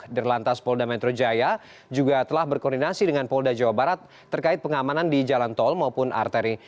dirlantas polda metro jaya juga telah berkoordinasi dengan polda jawa barat terkait pengamanan di jalan tol maupun arteri